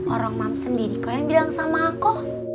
orang mams sendiri kau yang bilang sama aku